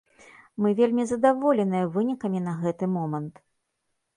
Мы вельмі задаволеныя вынікамі на гэты момант.